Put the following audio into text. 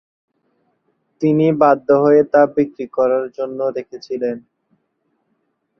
তিনি বাধ্য হয়ে তা বিক্রি করার জন্য রেখেছিলেন।